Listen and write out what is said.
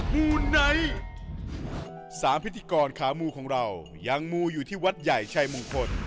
มูไนท์๓พิธีกรขามูของเรายังมูอยู่ที่วัดใหญ่ชัยมงคล